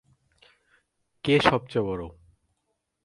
কে সবচেয়ে বড়?